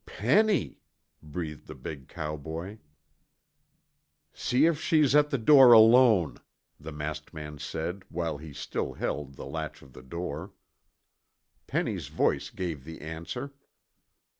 "Penny!" breathed the big cowboy. "See if she is at the door alone," the masked man said while he still held the latch of the door. Penny's voice gave the answer.